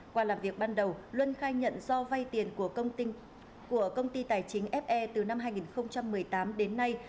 qua làm việc ban đầu luân khai nhận do vay tiền của công ty tài chính fe từ năm hai nghìn một mươi tám đến nay